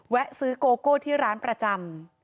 ซื้อโกโก้ที่ร้านประจำ